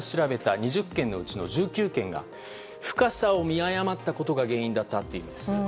そうしたら、学会が調べた２０件のうち１９件が深さを見誤ったことが原因だったというんです。